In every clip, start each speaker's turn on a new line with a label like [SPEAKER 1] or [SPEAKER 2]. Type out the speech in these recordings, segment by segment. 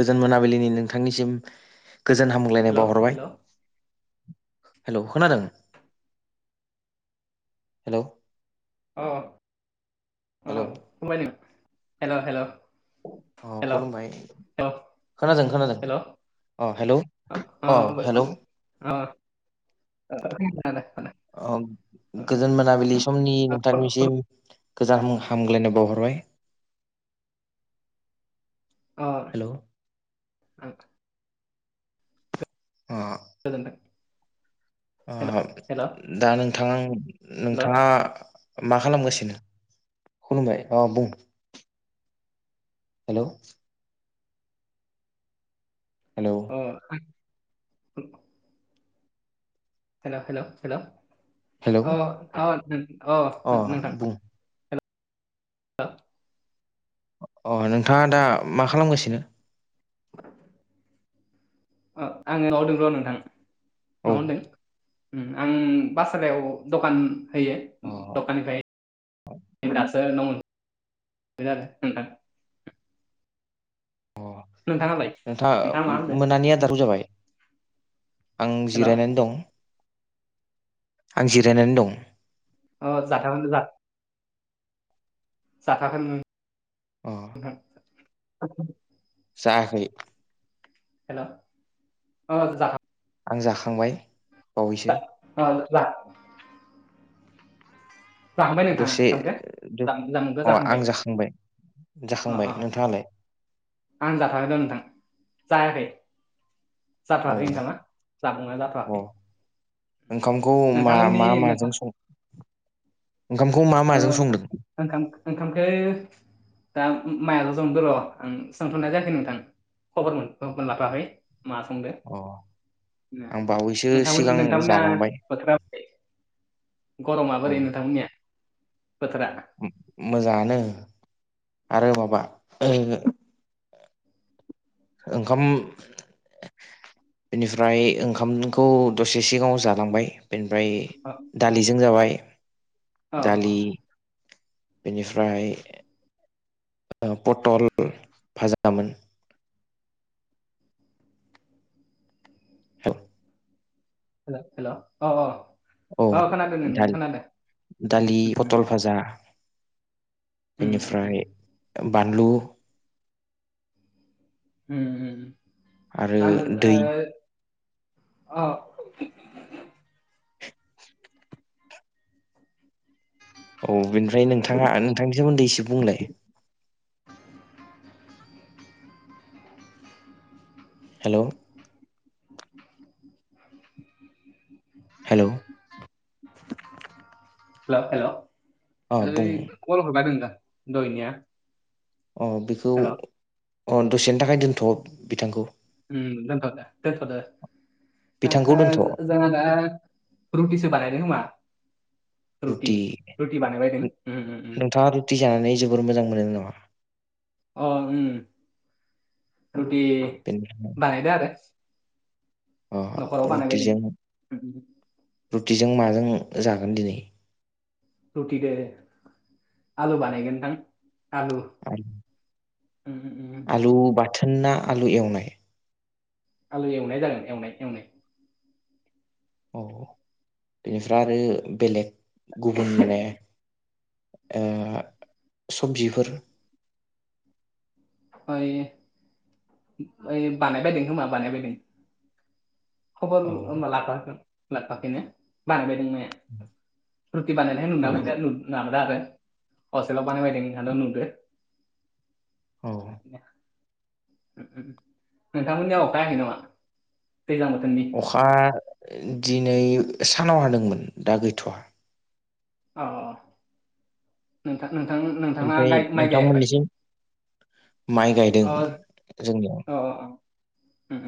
[SPEAKER 1] गोजोन मोनाबिलिनि नोंथांनिसिम गोजोन हामग्लायनाय
[SPEAKER 2] हेल' हेल'
[SPEAKER 1] बावहरबाय हेल' खोनादों हेल'
[SPEAKER 2] औ
[SPEAKER 1] हेलौ
[SPEAKER 2] [unintelligible] हेल' हेल'
[SPEAKER 1] अ
[SPEAKER 2] हेल'
[SPEAKER 1] खुलुमबाय
[SPEAKER 2] हेल'
[SPEAKER 1] खोनादों खोनादों अ हेल'
[SPEAKER 2] ओ ओ‌ [unintelligible]
[SPEAKER 1] अ गोजोन मोनाबिलि समनि
[SPEAKER 2] खोनादों
[SPEAKER 1] नोंथांनिसिम गोजान हामग्लायनाय बावहरबाय
[SPEAKER 2] अ
[SPEAKER 1] हेलौ
[SPEAKER 2] ओं
[SPEAKER 1] अ
[SPEAKER 2] गोजोनथों
[SPEAKER 1] अ
[SPEAKER 2] हेल' हेल' हेल'
[SPEAKER 1] दा नोंथां
[SPEAKER 2] अ
[SPEAKER 1] नोंथाङा मा खालामगासिनो खुलुमबाय अ बुं हेल' हेलौ
[SPEAKER 2] अ हेल हेल-हेल'
[SPEAKER 1] हेलौ
[SPEAKER 2] अ अ-अ
[SPEAKER 1] अ
[SPEAKER 2] नोंथां
[SPEAKER 1] बुं
[SPEAKER 2] दा
[SPEAKER 1] अ नोंथाङा दा मा खालामगासिनो
[SPEAKER 2] अ आङो न'आवदों र' नोंथां
[SPEAKER 1] औ
[SPEAKER 2] न'आवदों ओम आं दखान होयो
[SPEAKER 1] अ
[SPEAKER 2] दखाननिफ्राय दासो न' मोनफैदों आरो नोंथां नोंथाङालाय
[SPEAKER 1] अ
[SPEAKER 2] मा
[SPEAKER 1] नोंथाङा
[SPEAKER 2] होनदों
[SPEAKER 1] मोनानि आदारखौ जाबाय आं
[SPEAKER 2] हेल'
[SPEAKER 1] जिरायनानै दं आं जिरायनानै दं
[SPEAKER 2] अ जा खाम जा जाखागोन
[SPEAKER 1] अ
[SPEAKER 2] नोंथां
[SPEAKER 1] जायाखै
[SPEAKER 2] हेल' अ जा
[SPEAKER 1] आं जाखांबाय बावैसो
[SPEAKER 2] अ जा जाखांबाय नोंथाङा
[SPEAKER 1] दसे
[SPEAKER 2] ओंखामखो? जाम जामुंखौ
[SPEAKER 1] अ आं जाखांबाय
[SPEAKER 2] अ अ
[SPEAKER 1] जाखांबाय नोंथाङालाय
[SPEAKER 2] आं जाथागदों नोंथां जायाखै
[SPEAKER 1] औ
[SPEAKER 2] जाथ'वाखै नोंथामा जामुंङआ
[SPEAKER 1] अ
[SPEAKER 2] जाथ'वाखै
[SPEAKER 1] ओंखामखौ मा
[SPEAKER 2] नोंथांमोननि
[SPEAKER 1] मा माजों
[SPEAKER 2] नोंथां
[SPEAKER 1] संदों ओंखामखौ मा माजों संदों
[SPEAKER 2] ओं ओंखामखो दा माइआल' जंदर' आं सोंथ'नाय जायाखै नोंथां खबरमोन खबरखौ लाफाखै मा संदो
[SPEAKER 1] अ आं बावैसो
[SPEAKER 2] नोंथां
[SPEAKER 1] सिगां
[SPEAKER 2] नोंथांमोना
[SPEAKER 1] जालांबाय
[SPEAKER 2] फोथोराब गरमा
[SPEAKER 1] औ
[SPEAKER 2] बोरै नोंथांमोननिया बोथोरा
[SPEAKER 1] मोजाङानो आरो माबा ओ ओंखाम बेनिफ्राय ओंखामखौ दसे सिगाङाव जालांबाय बेनिफ्राय
[SPEAKER 2] अ
[SPEAKER 1] दालिजों जाबाय
[SPEAKER 2] अ अ
[SPEAKER 1] दालि बेनिफ्राय पटल भाजामोन हल
[SPEAKER 2] हेल हेल' अ
[SPEAKER 1] औ
[SPEAKER 2] अ-अ खोनादों नों खोनादों
[SPEAKER 1] जा बेनिफ्राय बानलु
[SPEAKER 2] उम
[SPEAKER 1] आरो
[SPEAKER 2] उम
[SPEAKER 1] दै
[SPEAKER 2] [unintelligible] अ
[SPEAKER 1] औ बेनिफ्राय नोंथाङा नोंथांनि सोमोन्दै एसे बुंलाय हेल'
[SPEAKER 2] [unintelligible]
[SPEAKER 1] हेल'
[SPEAKER 2] हेल हेल'
[SPEAKER 1] अ बुं
[SPEAKER 2] ओय कल हरबायमोन दां दहायनिया
[SPEAKER 1] अ बेखै
[SPEAKER 2] हेल'
[SPEAKER 1] अ दसेनि थाखाय दोनथ' बिथांखौ
[SPEAKER 2] उम दोनथदो दोनथदो
[SPEAKER 1] बिथांखौ दोनथ'
[SPEAKER 2] [unintelligible] जोंहादा रुटिसो बानायायदो खोमा रुटि रुटि बानायबायदों उम उम उम
[SPEAKER 1] थि जानानै जोबोर मोजां मोनो नामा
[SPEAKER 2] अ उम रुति
[SPEAKER 1] बिनफ्रा उम
[SPEAKER 2] बानायायदो आरोे
[SPEAKER 1] अ रुटिजों
[SPEAKER 2] उम, उम.
[SPEAKER 1] रुटिजों माजों जागोन दिनै।
[SPEAKER 2] रुटिदो आलु बानायगोनदां आलु उम उम उम ओमा
[SPEAKER 1] आलु बाथोना आलु एवनाय
[SPEAKER 2] आलु एवनाय जागोन एवनाय एवनाय।
[SPEAKER 1] औ बेनिफ्राय आरो बेलेग गुबुन माने सबजिफोर
[SPEAKER 2] ह ओइ बानायबायदों होनोमा बानायबायदों खबर
[SPEAKER 1] औ
[SPEAKER 2] होमबा लाफाखोन लाबोफाखैनो बानायबायदों मया रुटि
[SPEAKER 1] औ
[SPEAKER 2] बानायनायाय नु ना आरो हस्टाव बानायबायदोंं होन नुदो
[SPEAKER 1] औ
[SPEAKER 2] नोंथांमोननियाव अखायाखै नामा दैज्लां बोथोरनि
[SPEAKER 1] अखा दिनै सानाव हादोंमोन दा गैथ'आ।
[SPEAKER 2] औ नोंथां नोंथां नोंथाङा
[SPEAKER 1] ओमफ्राय
[SPEAKER 2] माइ गायाखै?
[SPEAKER 1] नोंथांमोननिसिम माइ गायदों
[SPEAKER 2] अ
[SPEAKER 1] जोंनियाव।
[SPEAKER 2] अ अ उम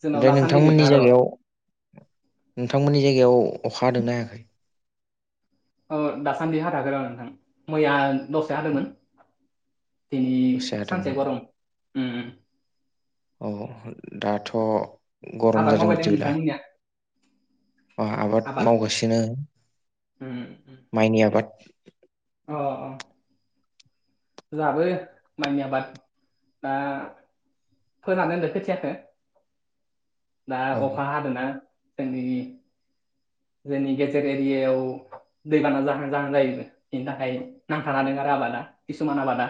[SPEAKER 2] जोंनाव
[SPEAKER 1] ओमफ्राय
[SPEAKER 2] दासान्दि
[SPEAKER 1] नोंथांमोननि
[SPEAKER 2] गैथ'आ र'
[SPEAKER 1] जायाव नोंथांमोननि जायगायाव अखा हादोंना हायाखै?
[SPEAKER 2] ओ दासान्दि हाथागोर नोंथां मैया दसे हादोंमोन दिनै
[SPEAKER 1] दसे
[SPEAKER 2] सानसे
[SPEAKER 1] हादोंमोन
[SPEAKER 2] गरम उम उम।
[SPEAKER 1] औ दाथ' गरम
[SPEAKER 2] आबाद
[SPEAKER 1] जादों
[SPEAKER 2] मावबायदों
[SPEAKER 1] बिदिब्ला
[SPEAKER 2] नोंथांमोननिया
[SPEAKER 1] आबाद मावगासिनो
[SPEAKER 2] उम उम।
[SPEAKER 1] माइनि आबाद
[SPEAKER 2] अ अ जाबो माइानि आबाद दा फोनानै होनो खोथियाखो दा
[SPEAKER 1] औ
[SPEAKER 2] अखा हादों ना जोंनि जोंनि गेजेर एरियायाव दैबाना जाहां जाहां जायोबो बेनि थाखाय नांथानादों आरो आबादा किसुमान आबादा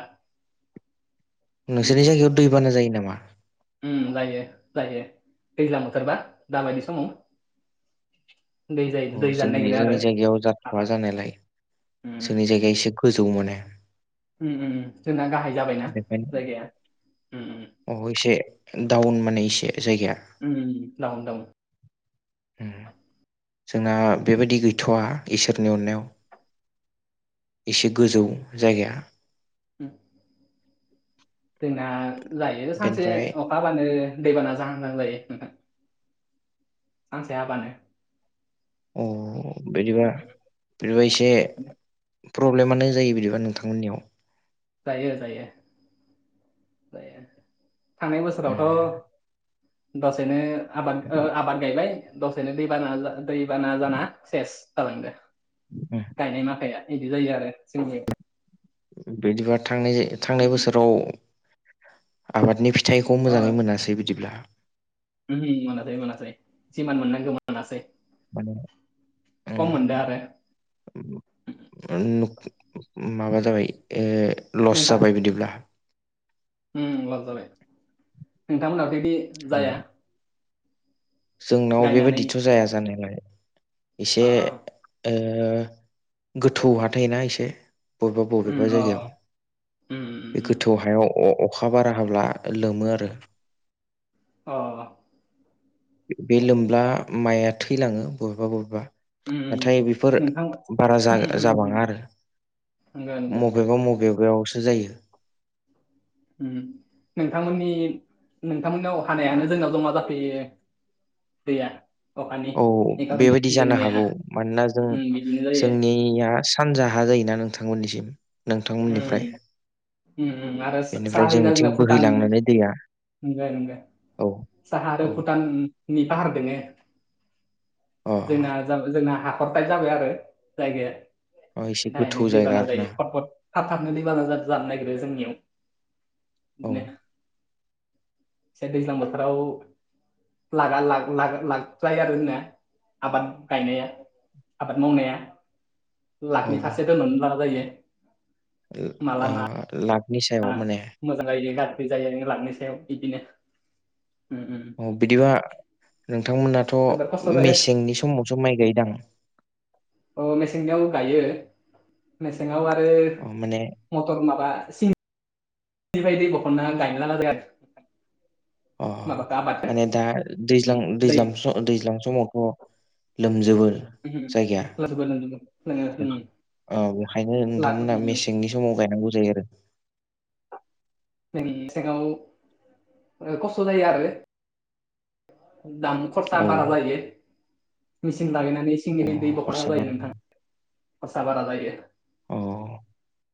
[SPEAKER 2] बि
[SPEAKER 1] नोंसोरनि जायगायाव दैबाना जायो नामा?
[SPEAKER 2] उम जायो जायो दैज्ल बोथोरबा दाबायदि समाव। दै जायो दै जानो नागिरदों आरो हाबा
[SPEAKER 1] होनायलाय जोंनि जायगाया एसे गोजौ माने
[SPEAKER 2] उम उम जोंना गाहाय जाबायना जायगाया उम उम
[SPEAKER 1] अह इसे दडाउन मोनानायै इसे जायगायाया।
[SPEAKER 2] उम उम दउन दउन
[SPEAKER 1] उम जोंहा बेबायदि गैथ'वा इसोरनि अननायाव एसे गोजौ जायगाया।
[SPEAKER 2] उम जोंना जायो सानसे
[SPEAKER 1] बेनिफ्राय
[SPEAKER 2] अखााबानो दैबाना जाहोनां जायो नोंथां सानसे हाबानो।
[SPEAKER 1] अ बिदिबा
[SPEAKER 2] उम उम
[SPEAKER 1] बिदिबा इसे
[SPEAKER 2] बिदिनो
[SPEAKER 1] प्रब्लेमानो जायो बिदिबा नोंथां मोननियाव
[SPEAKER 2] जायो जायो। जायो थांनाय
[SPEAKER 1] उम
[SPEAKER 2] बोसोरावथ' दसेनो आबाद ओ आबाद गायबाय दसेनो दैबाना जा दैबाना जाना सेस जालांदो।
[SPEAKER 1] उम
[SPEAKER 2] गायनाय माखाया बिदि जायो आरो जोंनि
[SPEAKER 1] बिदिबा थांनाय थांनाय
[SPEAKER 2] उम
[SPEAKER 1] बोसोराव आबादनि फिथाइखौ
[SPEAKER 2] उम अ
[SPEAKER 1] मोजाङै मोनासै बिदिब्ला
[SPEAKER 2] उम मोनासै मोनासै सिमान जिमोननांगौ मोनासै
[SPEAKER 1] माने
[SPEAKER 2] खम मोनदों आरो
[SPEAKER 1] उम माबा जाबाय लस जाबाय बिदिब्ला
[SPEAKER 2] ओम लाब जाबाय नोंथांमोनहाथ' बेदि
[SPEAKER 1] औ जोंनाव
[SPEAKER 2] गायनानै
[SPEAKER 1] बेबायदिथ' जाया जानायालाय एसे
[SPEAKER 2] अ
[SPEAKER 1] ओ गोथौ हाथायना एसे बबेबा
[SPEAKER 2] उम
[SPEAKER 1] बबेबा
[SPEAKER 2] अ
[SPEAKER 1] जायगायाव
[SPEAKER 2] उम उम
[SPEAKER 1] बे
[SPEAKER 2] उम
[SPEAKER 1] गोथौ हायाव अ अखा बारा हाब्ला लोमो आरो
[SPEAKER 2] अ
[SPEAKER 1] बे लोमब्ला माइआ थैलाङो बबेबा बबेबा
[SPEAKER 2] उम उम
[SPEAKER 1] नाथाय बेफोर
[SPEAKER 2] नोंथां
[SPEAKER 1] बारा जा जाबाङा आरो
[SPEAKER 2] नंगौ नंगौ
[SPEAKER 1] मबेबा मबेबायावसो जायो
[SPEAKER 2] ओम नोंथांमोननि नोंथांमोननाव हानायानो जोंनाव जमा जाफैयो [unintelligible]
[SPEAKER 1] औ
[SPEAKER 2] बे खार'नै
[SPEAKER 1] बेबायदि जानो
[SPEAKER 2] जोंनिया
[SPEAKER 1] हागौ मानोना जों
[SPEAKER 2] उम बिदिनो जायो
[SPEAKER 1] जोंनिया सानजाहा जायोना नोंथांमोननिसिम नोंथांमोननिफ्राय
[SPEAKER 2] उम [unintelligible]
[SPEAKER 1] बेनिफ्राय
[SPEAKER 2] साहा
[SPEAKER 1] जोंनिथिं बोहैलांनानै दैया औ
[SPEAKER 2] आरो
[SPEAKER 1] औ
[SPEAKER 2] भुटाननि बाहार दङ
[SPEAKER 1] अह
[SPEAKER 2] जोंना-जोंना हाखरद्राय जाबाय आरो जायगाया
[SPEAKER 1] अ एसे गोथौ
[SPEAKER 2] दायरेख
[SPEAKER 1] जायगा
[SPEAKER 2] दैबाना जायो
[SPEAKER 1] आरोना
[SPEAKER 2] खट-खट थाब थाबनो दैबाना जानो नागिरो जोंनियाव
[SPEAKER 1] औ
[SPEAKER 2] बिदिनो जे दैज्लां बोथोराव लागा लाख लाख जायो आरो जोंना आबाद गायनाया आबाद मावनाया
[SPEAKER 1] औ
[SPEAKER 2] लाखनि
[SPEAKER 1] ओ
[SPEAKER 2] फारसे दोननानै लाजायो
[SPEAKER 1] लाखनि सायाव माने
[SPEAKER 2] मोजां जायो गारजायो लांनो सायाव बिदिनो ओम - ओम
[SPEAKER 1] औ बिदिबा नोंथांमोनाथ'
[SPEAKER 2] जोबोर खस्थ' जायो
[SPEAKER 1] मेसेंनि समावसो माइ गायोदां
[SPEAKER 2] औ मेसेंनियाव गायो मेसेङाव आरो
[SPEAKER 1] अ माने
[SPEAKER 2] मथर माबा सि बिबायदि बहनना गायना लायो
[SPEAKER 1] अह
[SPEAKER 2] आबादखौ
[SPEAKER 1] माने दा
[SPEAKER 2] दै
[SPEAKER 1] दैज्लां-दैज्लां स दैज्लां समावथ' लोमजोबो जायगाया
[SPEAKER 2] [unintelligible]
[SPEAKER 1] औ बेखायनो नोंथांमोनहा मेसेंनि समाव गायनांगौ जायो आरो
[SPEAKER 2] जोंनि मेसेङाव खस्थ' जायो आरो दाम खरसा
[SPEAKER 1] औ
[SPEAKER 2] बारा जायो मेसिन लागायनानै
[SPEAKER 1] अ
[SPEAKER 2] सिंनि दै बख'नांगौ
[SPEAKER 1] खरसा
[SPEAKER 2] जायो
[SPEAKER 1] बारा
[SPEAKER 2] नोंथां खरसा बारा जायो
[SPEAKER 1] औ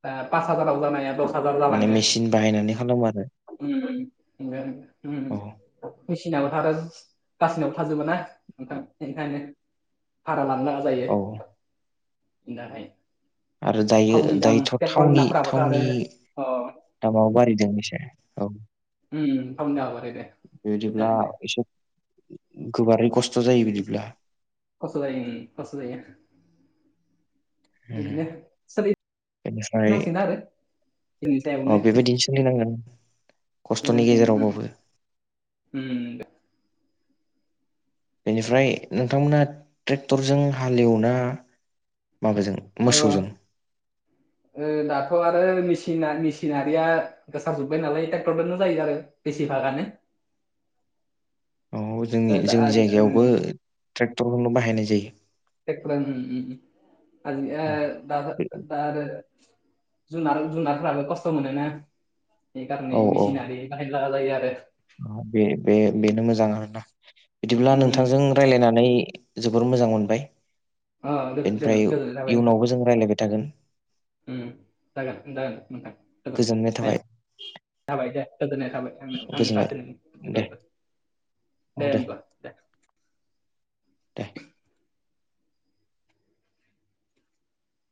[SPEAKER 2] पास हाजाराव जानाया द
[SPEAKER 1] माने मेसिन बाहायनानै हाल एवो आरो
[SPEAKER 2] ओम-ओम
[SPEAKER 1] औ
[SPEAKER 2] मेसिनाव था गासिनावबो थाजोबोना नोंथां बेखायनो भारा लानो जायो
[SPEAKER 1] औ
[SPEAKER 2] दाहाय
[SPEAKER 1] आरो दायो
[SPEAKER 2] थावनि दाम
[SPEAKER 1] दायोथ'
[SPEAKER 2] पेट्रलनि दामफोराबोथ' आरो
[SPEAKER 1] थावनि-थावनि
[SPEAKER 2] अ
[SPEAKER 1] दामाबो बारायदों एसे औ
[SPEAKER 2] ओम थावनि दामा बारायदों बेनि
[SPEAKER 1] बेबायदिब्ला
[SPEAKER 2] दारैनो
[SPEAKER 1] एसे गोबारै खस्थ' जायो बिदिब्ला
[SPEAKER 2] खस्थ' जायो ओम खस्थ' जायो
[SPEAKER 1] उम,
[SPEAKER 2] बिदिनो सोलि नांसिगोन आरो जोंनि
[SPEAKER 1] औ
[SPEAKER 2] सायावनो
[SPEAKER 1] बेबायदिनो सोलिनांगोन खस्थ'नि
[SPEAKER 2] नांसिगोन उम
[SPEAKER 1] गेजेरावबाबो
[SPEAKER 2] उम दे
[SPEAKER 1] बेनिफ्राय नोंथांमोना ट्रेक्टरजों हालेवोना माबाजों
[SPEAKER 2] ओअ
[SPEAKER 1] मोसौजों [unintelligible]
[SPEAKER 2] ओ दाथ' आरो मेसिना मिसिनारिया गोसार जुबबाय नालाय ट्रेक्टरदोनो जायो आरो बेसि भागानो
[SPEAKER 1] औ
[SPEAKER 2] ओ दा
[SPEAKER 1] जोंनि-जोंनि
[SPEAKER 2] आजि ओ
[SPEAKER 1] जायगायावबो ट्रेक्टरखौनो बाहायनाय जायो
[SPEAKER 2] ट्रेक्टर उम उम [unintelligible] दा आरो जुनार-जुनारफोराबो खस्थ' मोनोना बे खारैनो मेसिनारि- बायनो लागा जायो आरो
[SPEAKER 1] बे-बे बेनो मोजां आरोना। बिदिब्ला
[SPEAKER 2] उम
[SPEAKER 1] नोंथांजों रायलायनानै जोबोर मोजां मोनबाय
[SPEAKER 2] अ गोजोन गोजोन
[SPEAKER 1] बेनिफ्राय
[SPEAKER 2] गोजोननाय थाबाय नोंथां।
[SPEAKER 1] इयुनावबो जों रायलायबाय थागोन।
[SPEAKER 2] उम जागोन जागोन नोंथां जागोन
[SPEAKER 1] गोजोननाय थाबाय
[SPEAKER 2] नाय जाबाय दे गोजोननाय थाबाय थांनो [inaudible] आंनि
[SPEAKER 1] गोजोनबाय
[SPEAKER 2] फारसे
[SPEAKER 1] दे
[SPEAKER 2] नोंनि [inaudible] दे होनबा दे
[SPEAKER 1] दे